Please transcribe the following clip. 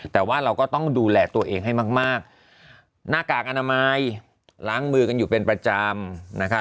แต่ว่าเราก็ต้องดูแลตัวเองให้มากหน้ากากอนามัยล้างมือกันอยู่เป็นประจำนะคะ